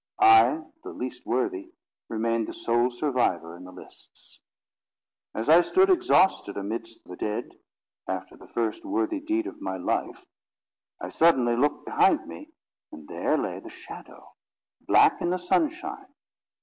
I, the least worthy, remained the sole survivor in the lists. As I stood exhausted amidst the dead, after the first worthy deed of my life, I suddenly looked behind me, and there lay the Shadow, black in the sunshine.